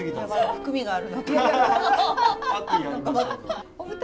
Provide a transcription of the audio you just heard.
含みがあるなと。